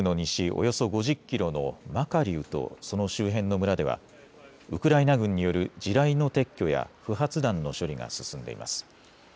およそ５０キロのマカリウとその周辺の村ではウクライナ軍による地雷の撤去や不発弾の処理が進んでいます。